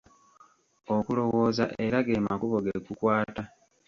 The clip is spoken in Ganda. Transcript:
Okulowooza era ge makubo ge kukwata.